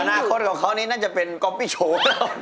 ภรราคลกับเขานี้น่าจะเป็นไซ่ก๊อปเพี้ยร์โชว์